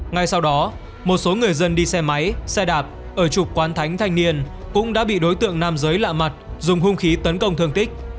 ngay sau đó một số người dân đi xe máy xe đạp ở trục quán thánh thanh niên cũng đã bị đối tượng nam giới lạ mặt dùng hung khí tấn công thương tích